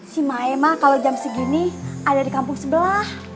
si maik mah kalo jam segini ada di kampung sebelah